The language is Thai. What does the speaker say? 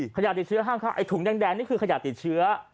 ขยะติดเชื้อห้างไอถุงแดงนี่คือขยะติดเชื้อ